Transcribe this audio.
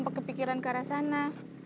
kepikiran ke arah sana